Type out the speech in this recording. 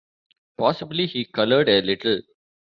Possibly he coloured a little.